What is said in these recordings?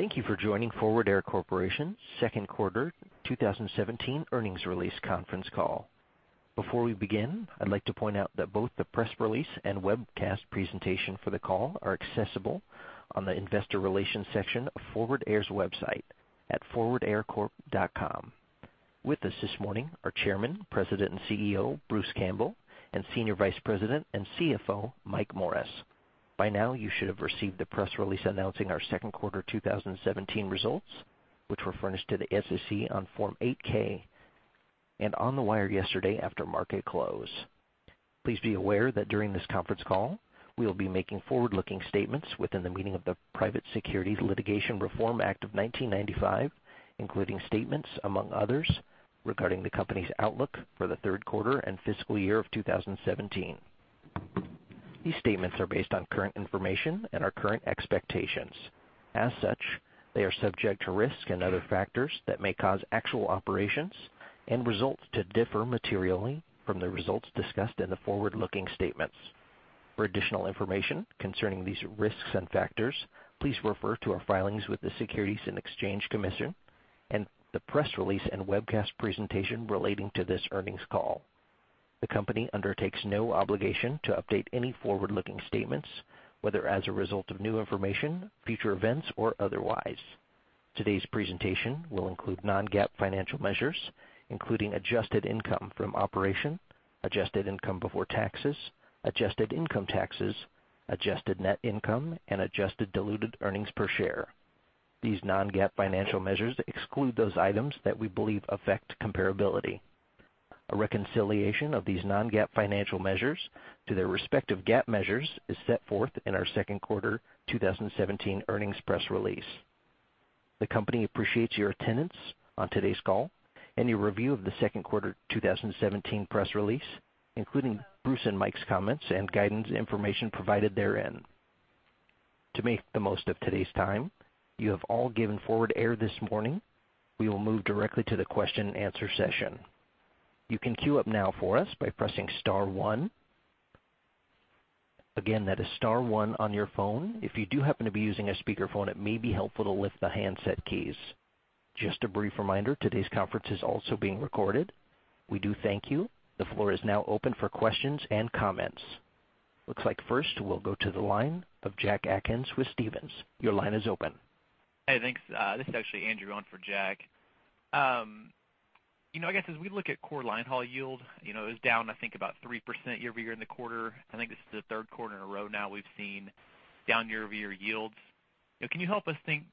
Thank you for joining Forward Air Corporation's second quarter 2017 earnings release conference call. Before we begin, I'd like to point out that both the press release and webcast presentation for the call are accessible on the investor relations section of Forward Air's website at forwardaircorp.com. With us this morning are Chairman, President, and CEO, Bruce Campbell, and Senior Vice President and CFO, Mike Morris. By now, you should have received the press release announcing our second quarter 2017 results, which were furnished to the SEC on Form 8-K and on the wire yesterday after market close. Please be aware that during this conference call, we will be making forward-looking statements within the meaning of the Private Securities Litigation Reform Act of 1995, including statements, among others, regarding the company's outlook for the third quarter and fiscal year of 2017. These statements are based on current information and our current expectations. Such, they are subject to risks and other factors that may cause actual operations and results to differ materially from the results discussed in the forward-looking statements. For additional information concerning these risks and factors, please refer to our filings with the Securities and Exchange Commission and the press release and webcast presentation relating to this earnings call. The company undertakes no obligation to update any forward-looking statements, whether as a result of new information, future events, or otherwise. Today's presentation will include non-GAAP financial measures, including adjusted income from operations, adjusted income before taxes, adjusted income taxes, adjusted net income, and adjusted diluted earnings per share. These non-GAAP financial measures exclude those items that we believe affect comparability. A reconciliation of these non-GAAP financial measures to their respective GAAP measures is set forth in our second quarter 2017 earnings press release. The company appreciates your attendance on today's call and your review of the second quarter 2017 press release, including Bruce and Mike's comments and guidance information provided therein. To make the most of today's time you have all given Forward Air this morning, we will move directly to the question and answer session. You can queue up now for us by pressing star one. Again, that is star one on your phone. If you do happen to be using a speakerphone, it may be helpful to lift the handset keys. Just a brief reminder, today's conference is also being recorded. We do thank you. The floor is now open for questions and comments. Looks like first we'll go to the line of Jack Atkins with Stephens. Your line is open. Hey, thanks. This is actually Andrew on for Jack. I guess as we look at core line haul yield, it was down, I think, about 3% year-over-year in the quarter. I think this is the third quarter in a row now we've seen down year-over-year yields. Can you help us think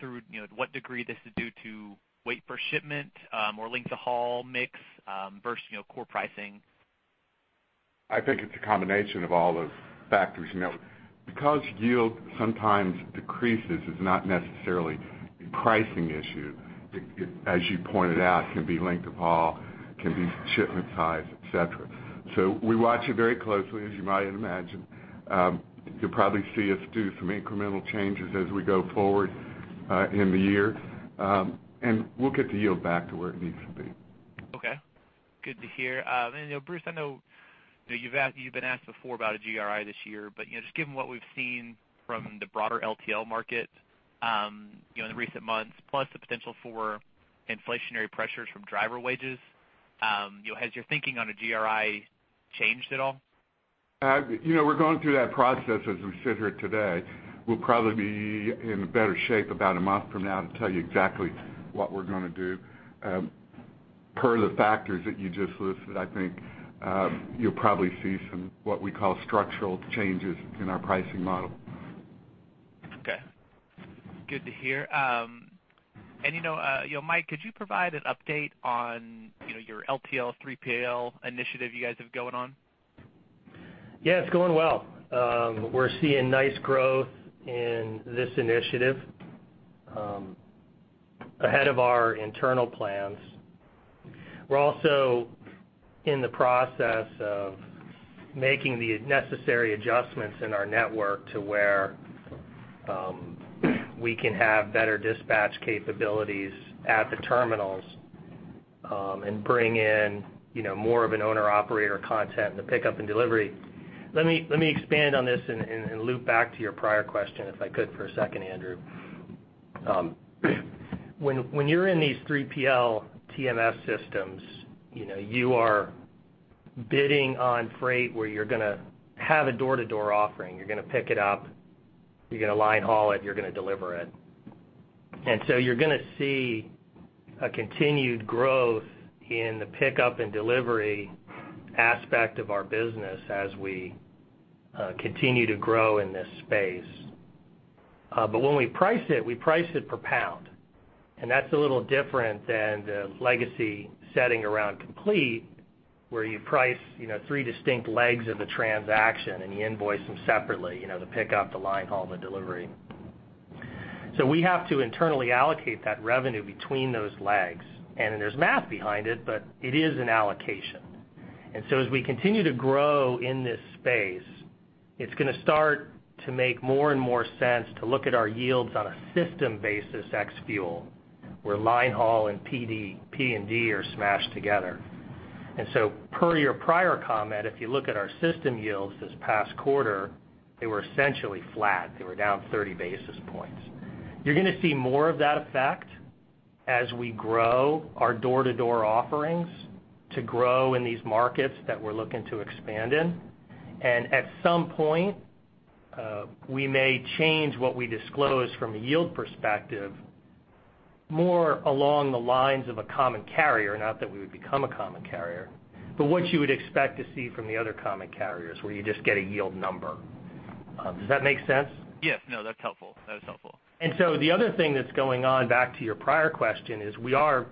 through to what degree this is due to weight per shipment or length of haul mix versus core pricing? I think it's a combination of all those factors. Yield sometimes decreases is not necessarily a pricing issue. As you pointed out, can be length of haul, can be shipment size, et cetera. We watch it very closely, as you might imagine. You'll probably see us do some incremental changes as we go forward in the year, and we'll get the yield back to where it needs to be. Okay. Good to hear. Bruce, I know you've been asked before about a GRI this year, but just given what we've seen from the broader LTL market in the recent months, plus the potential for inflationary pressures from driver wages, has your thinking on a GRI changed at all? We're going through that process as we sit here today. We'll probably be in a better shape about a month from now to tell you exactly what we're going to do. Per the factors that you just listed, I think you'll probably see some, what we call structural changes in our pricing model. Okay. Good to hear. Mike, could you provide an update on your LTL 3PL initiative you guys have going on? Yeah, it's going well. We're seeing nice growth in this initiative ahead of our internal plans. We're also in the process of making the necessary adjustments in our network to where we can have better dispatch capabilities at the terminals, and bring in more of an owner-operator content in the Pickup and Delivery. Let me expand on this and loop back to your prior question, if I could for a second, Andrew. When you're in these 3PL TMS systems, you are bidding on freight where you're going to have a door-to-door offering. You're going to pick it up, you're going to line haul it, you're going to deliver it. You're going to see a continued growth in the Pickup and Delivery aspect of our business as we continue to grow in this space. When we price it, we price it per pound, and that's a little different than the legacy setting around complete, where you price three distinct legs of the transaction, and you invoice them separately, the pickup, the line haul, the delivery. We have to internally allocate that revenue between those legs. There's math behind it, but it is an allocation. As we continue to grow in this space, it's going to start to make more and more sense to look at our yields on a system basis ex fuel, where line haul and Pickup and Delivery are smashed together. Per your prior comment, if you look at our system yields this past quarter, they were essentially flat. They were down 30 basis points. You're going to see more of that effect as we grow our door-to-door offerings to grow in these markets that we're looking to expand in. At some point, we may change what we disclose from a yield perspective, more along the lines of a common carrier, not that we would become a common carrier. What you would expect to see from the other common carriers, where you just get a yield number. Does that make sense? Yes. No, that's helpful. The other thing that's going on, back to your prior question, is we are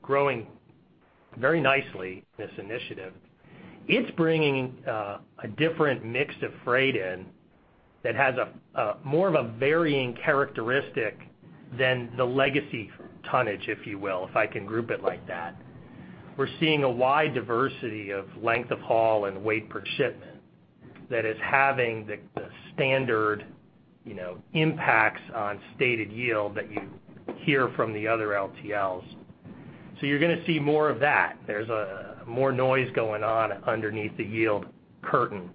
growing very nicely this initiative. It's bringing a different mix of freight in that has more of a varying characteristic than the legacy tonnage, if you will, if I can group it like that. We're seeing a wide diversity of length of haul and weight per shipment that is having the standard impacts on stated yield that you hear from the other LTLs. You're going to see more of that. There's more noise going on underneath the yield curtain.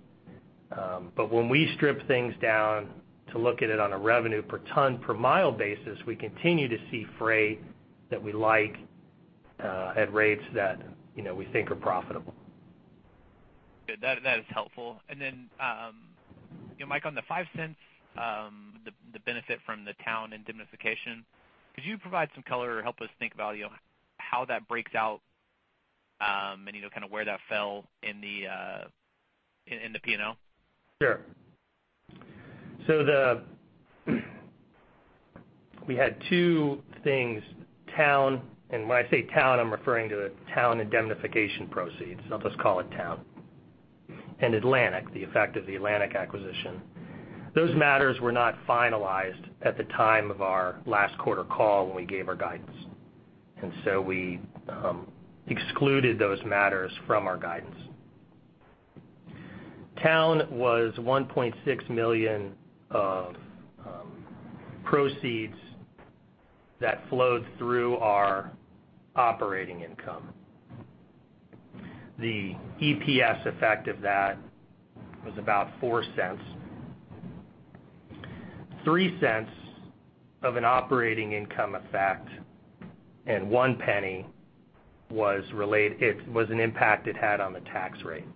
When we strip things down to look at it on a revenue per ton per mile basis, we continue to see freight that we like at rates that we think are profitable. Good. That is helpful. Mike, on the $0.05, the benefit from the Towne indemnification, could you provide some color or help us think about how that breaks out, and where that fell in the P&L? Sure. We had two things. Towne, and when I say Towne, I'm referring to Towne indemnification proceeds. I'll just call it Towne. Atlantic, the effect of the Atlantic acquisition. Those matters were not finalized at the time of our last quarter call when we gave our guidance. We excluded those matters from our guidance. Towne was $1.6 million of proceeds that flowed through our operating income. The EPS effect of that was about $0.04. $0.03 of an operating income effect, and $0.01 was an impact it had on the tax rate.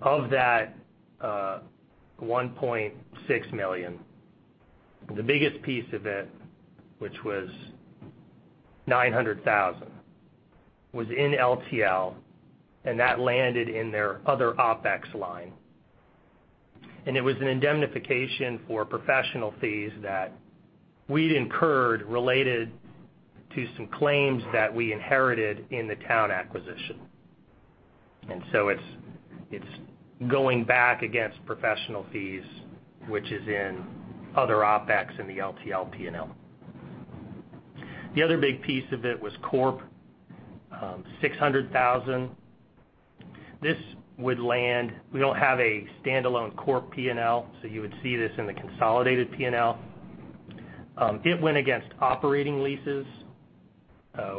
Of that $1.6 million, the biggest piece of it, which was $900,000, was in LTL, and that landed in their other OPEX line. It was an indemnification for professional fees that we'd incurred related to some claims that we inherited in the Towne acquisition. It's going back against professional fees, which is in other OPEX in the LTL P&L. The other big piece of it was Corp, $600,000. We don't have a standalone Corp P&L, so you would see this in the consolidated P&L. It went against operating leases.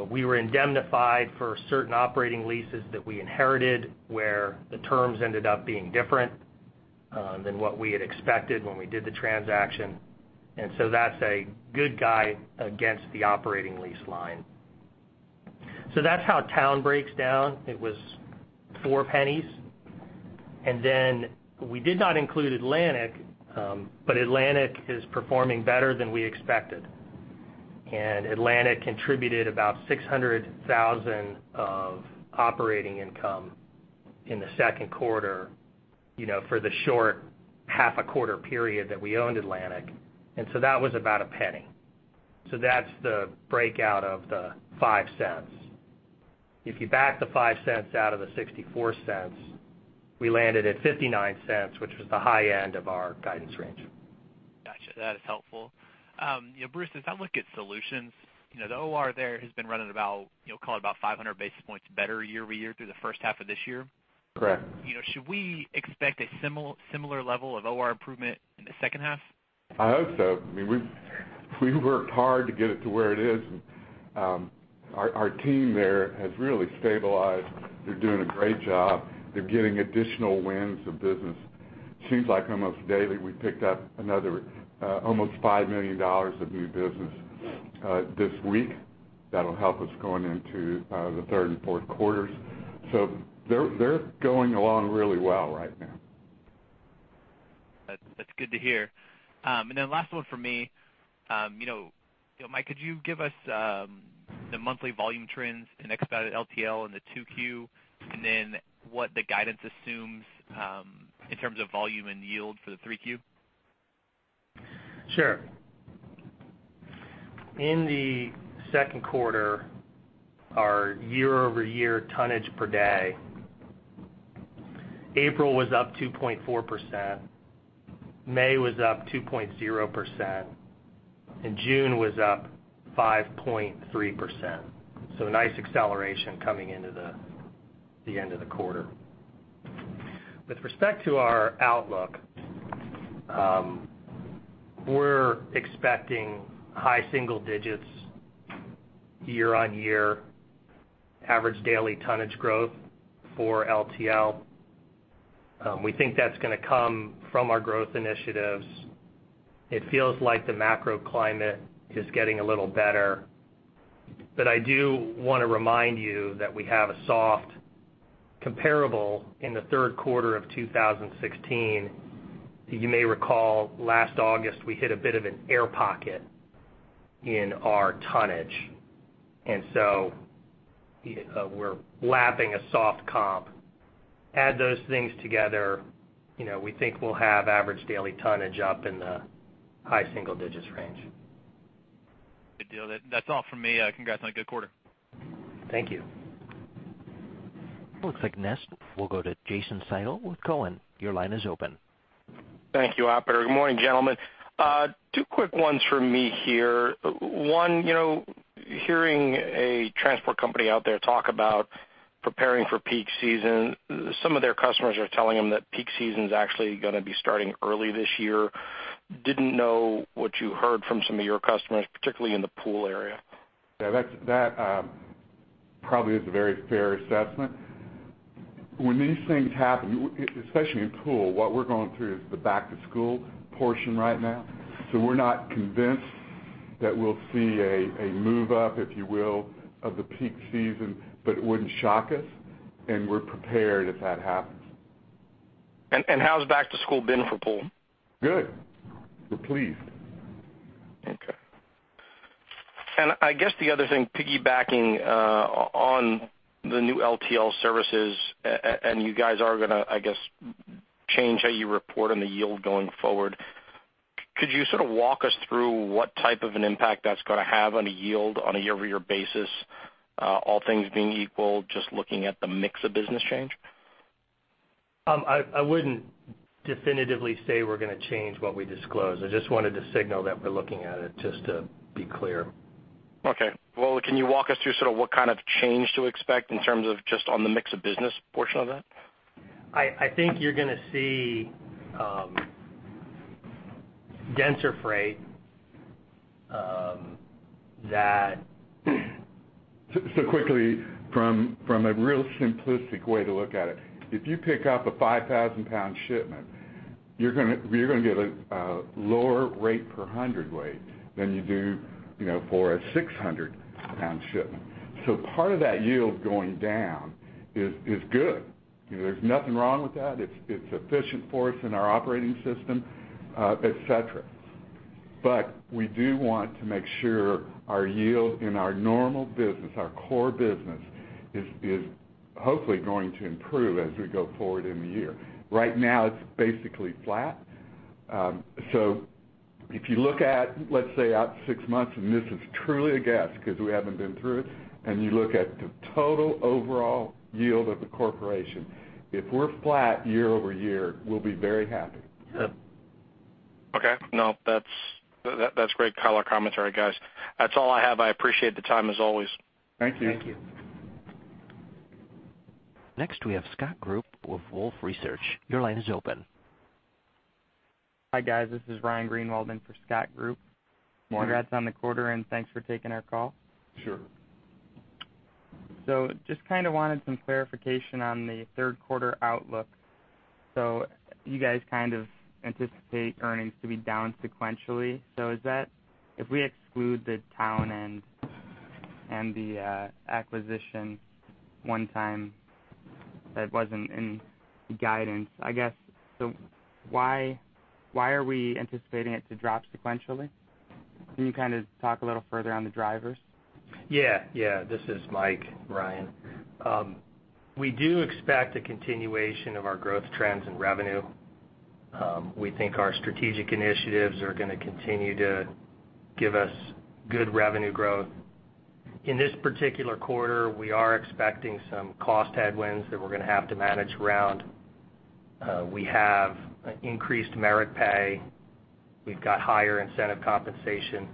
We were indemnified for certain operating leases that we inherited, where the terms ended up being different than what we had expected when we did the transaction. That's a good guide against the operating lease line. That's how Towne breaks down. It was $0.04. We did not include Atlantic, but Atlantic is performing better than we expected. Atlantic contributed about $600,000 of operating income in the second quarter, for the short half a quarter period that we owned Atlantic. That was about $0.01. That's the breakout of the $0.05. If you back the $0.05 out of the $0.64, we landed at $0.59, which was the high end of our guidance range. Got you. That is helpful. Bruce, as I look at solutions, the OR there has been running about, call it about 500 basis points better year-over-year through the first half of this year. Correct. Should we expect a similar level of OR improvement in the second half? I hope so. We worked hard to get it to where it is, and our team there has really stabilized. They're doing a great job. They're getting additional wins of business. It seems like almost daily, we picked up another almost $5 million of new business this week. That'll help us going into the third and fourth quarters. They're going along really well right now. That's good to hear. Last one from me. Mike, could you give us the monthly volume trends in expedited LTL in the 2Q, what the guidance assumes in terms of volume and yield for the 3Q? Sure. In the second quarter, our year-over-year tonnage per day, April was up 2.4%, May was up 2.0%, and June was up 5.3%. Nice acceleration coming into the end of the quarter. With respect to our outlook, we're expecting high single digits year-on-year average daily tonnage growth for LTL. We think that's going to come from our growth initiatives. It feels like the macro climate is getting a little better, but I do want to remind you that we have a soft comparable in the third quarter of 2016. You may recall, last August, we hit a bit of an air pocket in our tonnage, we're lapping a soft comp. Add those things together, we think we'll have average daily tonnage up in the high single digits range. Good deal. That's all from me. Congrats on a good quarter. Thank you. Looks like next we'll go to Jason Seidl with Cowen. Your line is open. Thank you, operator. Good morning, gentlemen. Two quick ones from me here. One, hearing a transport company out there talk about preparing for peak season, some of their customers are telling them that peak season's actually gonna be starting early this year. Didn't know what you heard from some of your customers, particularly in the pool area. Yeah, that probably is a very fair assessment. When these things happen, especially in pool, what we're going through is the back-to-school portion right now. We're not convinced that we'll see a move up, if you will, of the peak season, but it wouldn't shock us, and we're prepared if that happens. How's back to school been for pool? Good. We're pleased. Okay. I guess the other thing, piggybacking on the new LTL services, you guys are gonna, I guess, change how you report on the yield going forward. Could you sort of walk us through what type of an impact that's gonna have on a yield on a year-over-year basis, all things being equal, just looking at the mix of business change? I wouldn't definitively say we're gonna change what we disclose. I just wanted to signal that we're looking at it, just to be clear. Okay. Well, can you walk us through sort of what kind of change to expect in terms of just on the mix of business portion of that? I think you're gonna see denser freight that Quickly, from a real simplistic way to look at it, if you pick up a 5,000 pound shipment, you're gonna get a lower rate per hundred weight than you do for a 600 pound shipment. Part of that yield going down is good. There's nothing wrong with that. It's efficient for us in our operating system, et cetera. We do want to make sure our yield in our normal business, our core business, is hopefully going to improve as we go forward in the year. Right now, it's basically flat. If you look at, let's say, out six months, and this is truly a guess, because we haven't been through it, and you look at the total overall yield of the Corporation, if we're flat year-over-year, we'll be very happy. Yeah. Okay. No, that's great color commentary, guys. That's all I have. I appreciate the time, as always. Thank you. Thank you. Next we have Scott Group with Wolfe Research. Your line is open. Hi, guys. This is Ryan Greenwald in for Scott Group. Morning. Congrats on the quarter, thanks for taking our call. Sure. Just kind of wanted some clarification on the third quarter outlook. You guys kind of anticipate earnings to be down sequentially. Is that, if we exclude the Towne and the acquisition one-time that wasn't in the guidance, I guess, why are we anticipating it to drop sequentially? Can you kind of talk a little further on the drivers? Yeah. This is Mike, Ryan. We do expect a continuation of our growth trends in revenue. We think our strategic initiatives are going to continue to give us good revenue growth. In this particular quarter, we are expecting some cost headwinds that we're going to have to manage around. We have increased merit pay. We've got higher incentive compensation.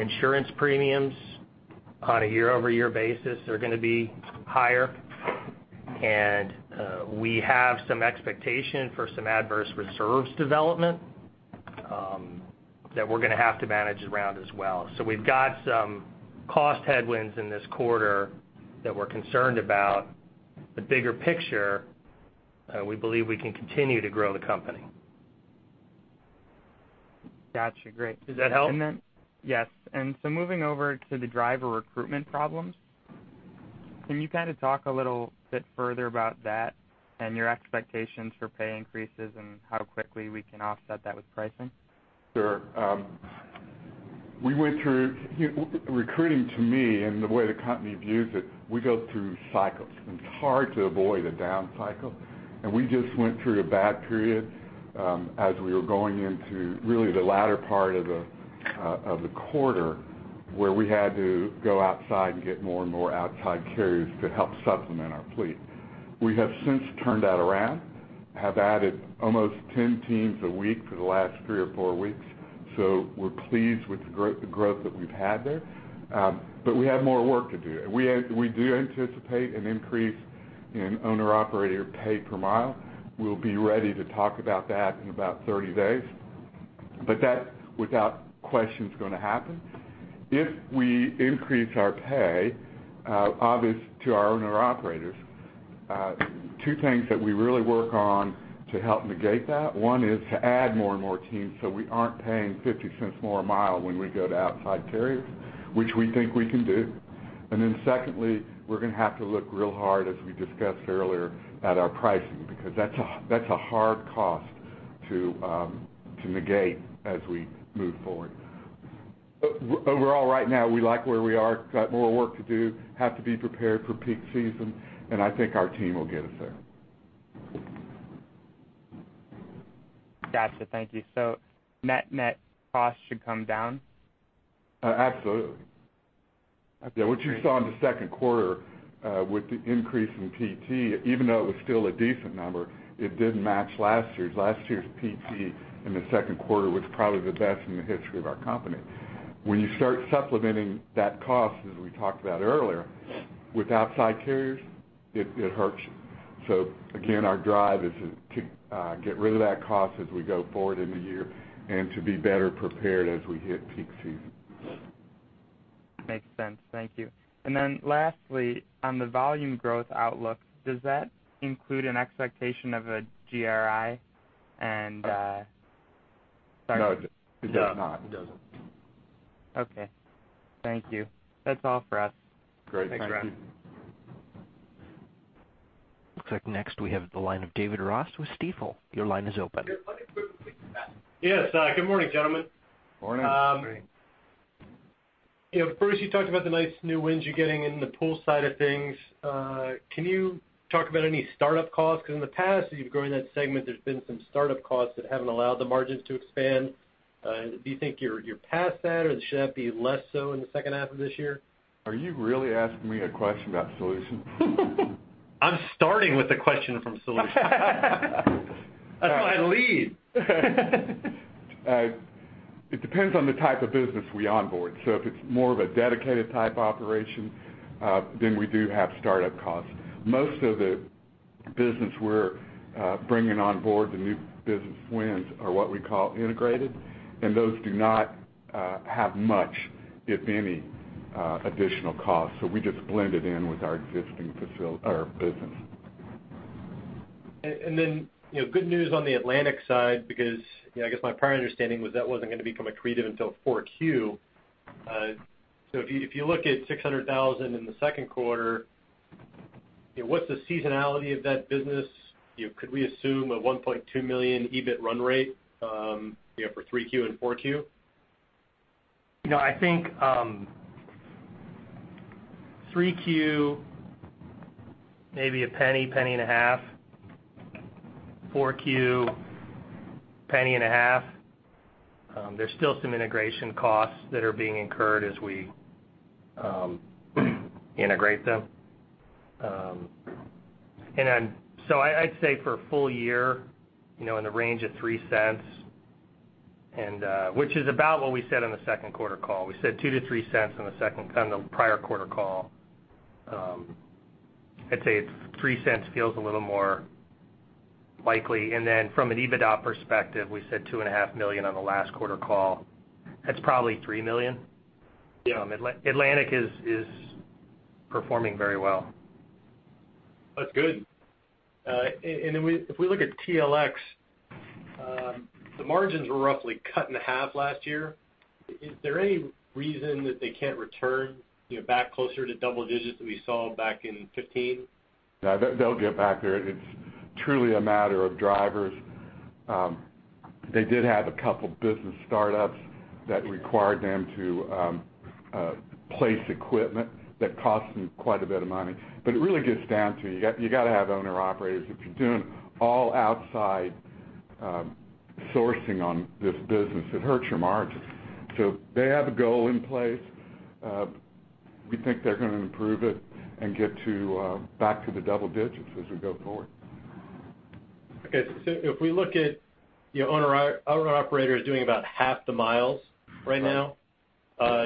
Insurance premiums on a year-over-year basis are going to be higher. We have some expectation for some adverse reserves development that we're going to have to manage around as well. We've got some cost headwinds in this quarter that we're concerned about. The bigger picture, we believe we can continue to grow the company. Got you. Great. Does that help? Yes. Moving over to the driver recruitment problems, can you kind of talk a little bit further about that and your expectations for pay increases and how quickly we can offset that with pricing? Sure. Recruiting to me, and the way the company views it, we go through cycles, and it is hard to avoid a down cycle. We just went through a bad period, as we were going into really the latter part of the quarter, where we had to go outside and get more and more outside carriers to help supplement our fleet. We have since turned that around. We have added almost 10 teams a week for the last three or four weeks. We are pleased with the growth that we have had there. We have more work to do. We do anticipate an increase in owner-operator pay per mile. We will be ready to talk about that in about 30 days. That, without question, is going to happen. If we increase our pay, obvious to our owner-operators, two things that we really work on to help negate that. One is to add more and more teams so we are not paying $0.50 more a mile when we go to outside carriers, which we think we can do. Secondly, we are going to have to look real hard, as we discussed earlier, at our pricing, because that is a hard cost to negate as we move forward. Overall, right now, we like where we are. We have got more work to do, have to be prepared for peak season, and I think our team will get us there. Gotcha. Thank you. Net-net costs should come down? Absolutely. Yeah, what you saw in the second quarter with the increase in PT, even though it was still a decent number, it didn't match last year's. Last year's PT in the second quarter was probably the best in the history of our company. When you start supplementing that cost, as we talked about earlier, with outside carriers, it hurts you. Again, our drive is to get rid of that cost as we go forward in the year and to be better prepared as we hit peak season. Makes sense. Thank you. Lastly, on the volume growth outlook, does that include an expectation of a GRI. No, it does not. It doesn't. Okay. Thank you. That's all for us. Great. Thank you. Thanks, Ryan. Looks like next we have the line of David Ross with Stifel. Your line is open. Yes. Good morning, gentlemen. Morning. Morning. Bruce, you talked about the nice new wins you're getting in the pool side of things. Can you talk about any startup costs? Because in the past, as you've grown that segment, there's been some startup costs that haven't allowed the margins to expand. Do you think you're past that, or should that be less so in the second half of this year? Are you really asking me a question about solutions? I'm starting with a question from solutions. That's how I lead. It depends on the type of business we onboard. If it's more of a dedicated type operation, then we do have startup costs. Most of the business we're bringing on board, the new business wins, are what we call integrated, and those do not have much, if any, additional cost. We just blend it in with our existing business. Good news on the Atlantic side because I guess my prior understanding was that wasn't going to become accretive until 4Q. If you look at $600,000 in the second quarter, what's the seasonality of that business? Could we assume a $1.2 million EBIT run rate for 3Q and 4Q? I think, 3Q, maybe $0.01, $0.015. 4Q, $0.015. There's still some integration costs that are being incurred as we integrate them. I'd say for a full year, in the range of $0.03, which is about what we said on the second quarter call. We said $0.02-$0.03 on the prior quarter call. I'd say $0.03 feels a little more likely. From an EBITDA perspective, we said $2.5 million on the last quarter call. That's probably $3 million. Atlantic is performing very well. That's good. If we look at TLX, the margins were roughly cut in half last year. Is there any reason that they can't return back closer to double digits that we saw back in 2015? No, they'll get back there. It's truly a matter of drivers. They did have a couple business startups that required them to place equipment that cost them quite a bit of money. It really gets down to, you got to have owner-operators. If you're doing all outside sourcing on this business, it hurts your margins. They have a goal in place. We think they're going to improve it and get back to the double digits as we go forward. Okay. If we look at owner-operators doing about half the miles right now,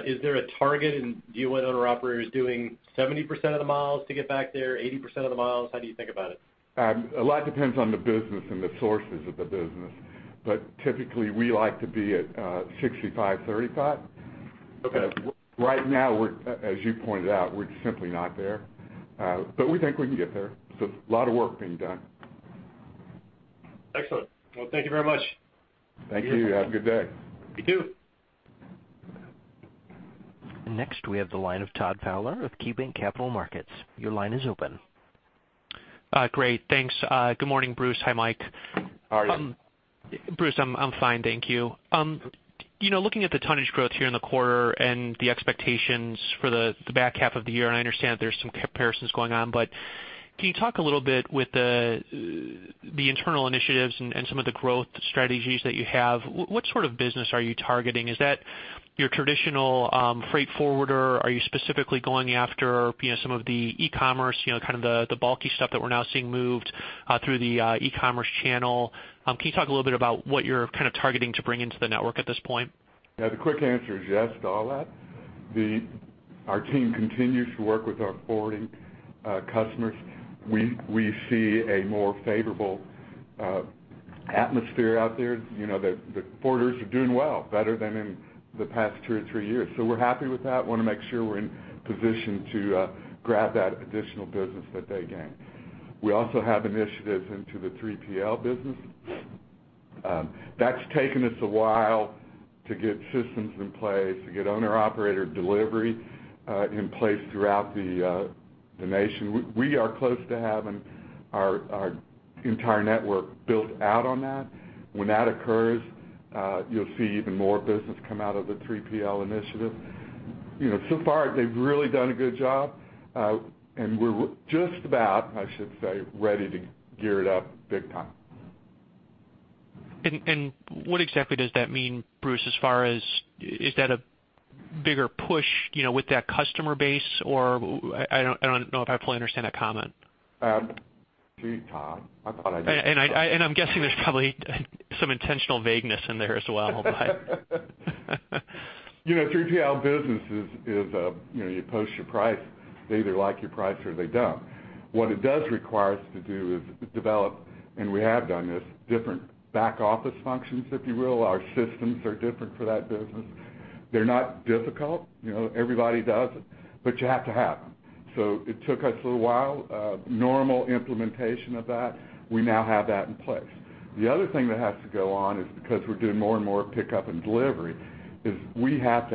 is there a target? Do you want owner-operators doing 70% of the miles to get back there, 80% of the miles? How do you think about it? A lot depends on the business and the sources of the business, typically we like to be at 65/35. Okay. Right now, as you pointed out, we're simply not there. We think we can get there. A lot of work being done. Excellent. Well, thank you very much. Thank you. Have a good day. You too. Next we have the line of Todd Fowler with KeyBanc Capital Markets. Your line is open. Great. Thanks. Good morning, Bruce. Hi, Mike. How are you? Bruce, I'm fine, thank you. Looking at the tonnage growth here in the quarter and the expectations for the back half of the year, I understand that there's some comparisons going on, can you talk a little bit with the internal initiatives and some of the growth strategies that you have, what sort of business are you targeting? Is that your traditional freight forwarder? Are you specifically going after some of the e-commerce, kind of the bulky stuff that we're now seeing moved through the e-commerce channel? Can you talk a little bit about what you're kind of targeting to bring into the network at this point? The quick answer is yes to all that. Our team continues to work with our forwarding customers. We see a more favorable atmosphere out there. The forwarders are doing well, better than in the past two or three years. We're happy with that. We want to make sure we're in position to grab that additional business that they gain. We also have initiatives into the 3PL business. That's taken us a while to get systems in place to get owner-operator delivery in place throughout the nation. We are close to having our entire network built out on that. When that occurs, you'll see even more business come out of the 3PL initiative. They've really done a good job, and we're just about, I should say, ready to gear it up big time. What exactly does that mean, Bruce? Is that a bigger push with that customer base, or I don't know if I fully understand that comment. Gee, Todd, I thought I made- I'm guessing there's probably some intentional vagueness in there as well. 3PL business is you post your price, they either like your price or they don't. What it does require us to do is develop, and we have done this, different back office functions, if you will. Our systems are different for that business. They're not difficult, everybody does it, but you have to have them. It took us a little while. Normal implementation of that, we now have that in place. The other thing that has to go on is because we're doing more and more Pickup and Delivery, is we prefer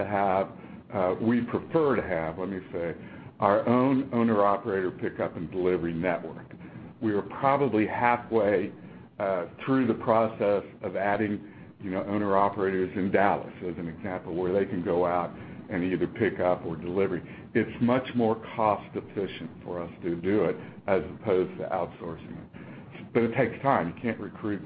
to have, let me say, our own owner-operator Pickup and Delivery network. We are probably halfway through the process of adding owner-operators in Dallas, as an example, where they can go out and either pick up or delivery. It's much more cost-efficient for us to do it as opposed to outsourcing it. It takes time. You can't recruit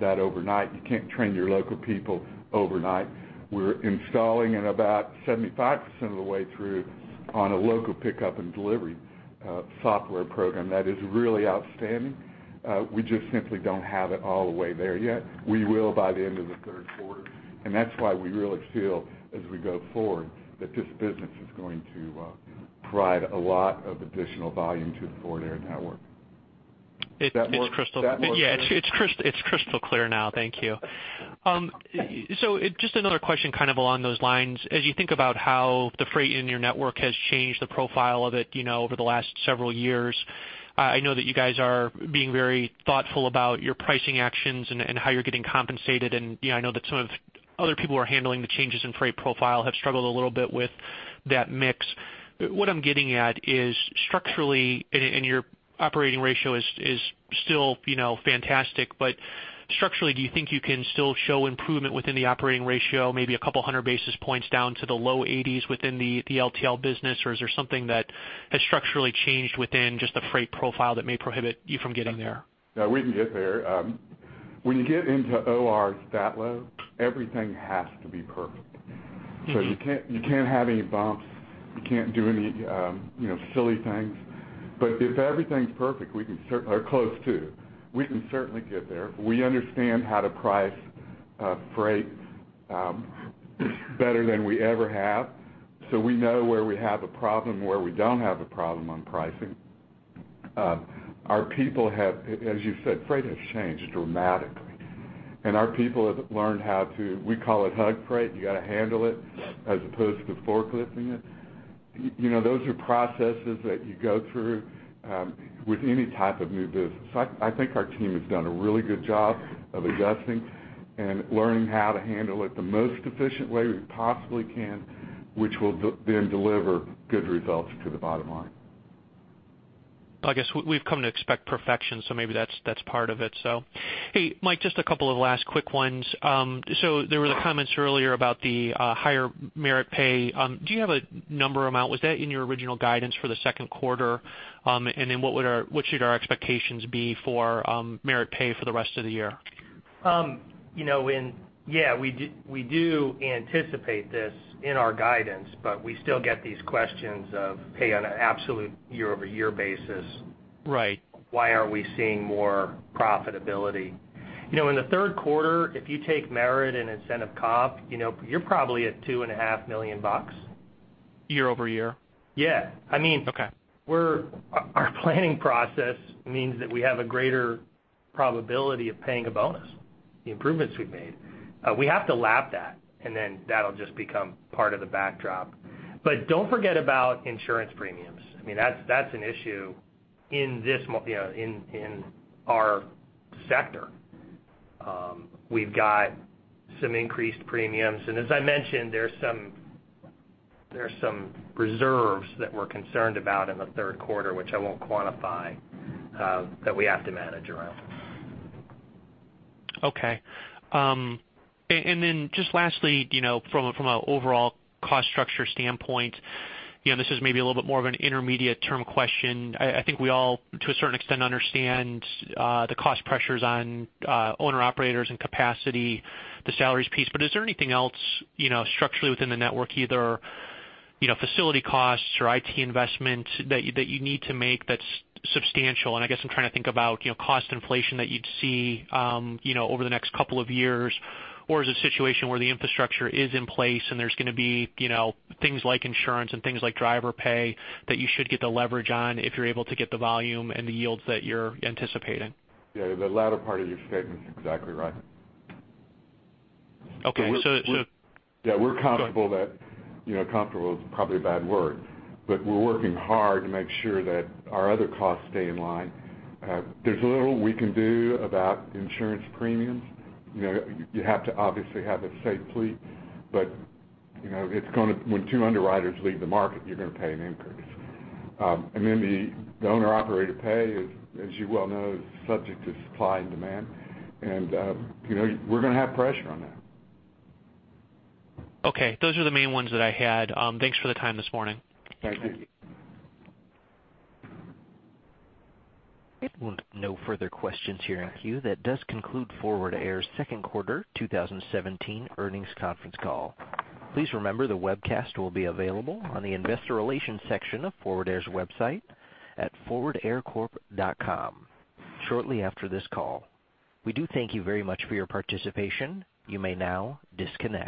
that overnight. You can't train your local people overnight. We're installing at about 75% of the way through on a local Pickup and Delivery software program that is really outstanding. We just simply don't have it all the way there yet. We will by the end of the third quarter. That's why we really feel, as we go forward, that this business is going to provide a lot of additional volume to the Forward Air network. Does that work? It's crystal clear now. Thank you. Just another question along those lines. As you think about how the freight in your network has changed the profile of it over the last several years, I know that you guys are being very thoughtful about your pricing actions and how you're getting compensated. I know that some of other people who are handling the changes in freight profile have struggled a little bit with that mix. What I'm getting at is structurally, your Operating Ratio is still fantastic. Structurally, do you think you can still show improvement within the Operating Ratio, maybe a couple of hundred basis points down to the low 80s within the LTL business, or is there something that has structurally changed within just the freight profile that may prohibit you from getting there? No, we can get there. When you get into ORs that low, everything has to be perfect. You can't have any bumps. You can't do any silly things. If everything's perfect or close to, we can certainly get there. We understand how to price freight better than we ever have, so we know where we have a problem, where we don't have a problem on pricing. As you said, freight has changed dramatically. Our people have learned how to, we call it hug freight. You got to handle it as opposed to forklifting it. Those are processes that you go through with any type of new business. I think our team has done a really good job of adjusting and learning how to handle it the most efficient way we possibly can, which will then deliver good results to the bottom line. I guess we've come to expect perfection, maybe that's part of it. Hey, Mike, just a two of last quick ones. There were comments earlier about the higher merit pay. Do you have a number amount? Was that in your original guidance for the second quarter? What should our expectations be for merit pay for the rest of the year? Yeah. We do anticipate this in our guidance, We still get these questions of, "Hey, on an absolute year-over-year basis. Right Why aren't we seeing more profitability? In the third quarter, if you take merit and incentive comp, you're probably at $2.5 million. Year-over-year? Yeah. Okay. Our planning process means that we have a greater probability of paying a bonus, the improvements we've made. We have to lap that, then that'll just become part of the backdrop. Don't forget about insurance premiums. That's an issue in our sector. We've got some increased premiums, as I mentioned, there's some reserves that we're concerned about in the third quarter, which I won't quantify, that we have to manage around. Okay. Just lastly, from an overall cost structure standpoint, this is maybe a little bit more of an intermediate-term question. I think we all, to a certain extent, understand the cost pressures on owner-operators and capacity, the salaries piece, is there anything else structurally within the network, either facility costs or IT investment that you need to make that's substantial? I guess I'm trying to think about cost inflation that you'd see over the next couple of years, or is it a situation where the infrastructure is in place and there's going to be things like insurance and things like driver pay that you should get the leverage on if you're able to get the volume and the yields that you're anticipating? Yeah, the latter part of your statement is exactly right. Okay. Yeah, we're comfortable that comfortable is probably a bad word, we're working hard to make sure that our other costs stay in line. There's little we can do about insurance premiums. You have to obviously have a safe fleet, when two underwriters leave the market, you're going to pay an increase. The owner-operator pay, as you well know, is subject to supply and demand, we're going to have pressure on that. Okay. Those are the main ones that I had. Thanks for the time this morning. Thank you. Thank you. We have no further questions here in queue. That does conclude Forward Air's second quarter 2017 earnings conference call. Please remember, the webcast will be available on the investor relations section of Forward Air's website at forwardaircorp.com shortly after this call. We do thank you very much for your participation. You may now disconnect.